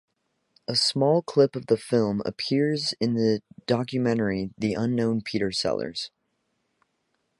A small clip of the film appears in the documentary "The Unknown Peter Sellers".